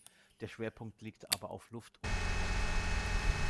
Der Schwerpunkt liegt aber auf Luft- und Raumfahrt.